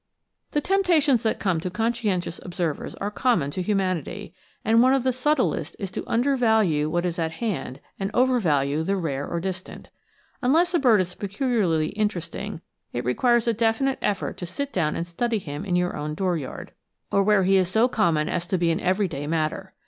The temptations that come to conscientious observers are common to humanity, and one of the subtlest is to undervalue what is at hand and overvalue the rare or distant. Unless a bird is peculiarly interesting, it requires a definite effort to sit down and study him in your own dooryard, or where he is so common as to be an every day matter.